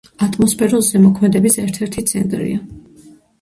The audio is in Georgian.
ატმოსფეროს ზემოქმედების ერთ-ერთი ცენტრია.